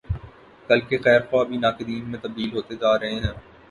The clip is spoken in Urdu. کل کے خیر خواہ بھی ناقدین میں تبدیل ہوتے جارہے ہیں۔